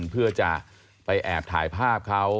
เพื่อจะไปแอบถ่ายภาพเขา